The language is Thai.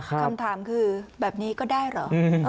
คำถามคือแบบนี้ก็ได้เหรอ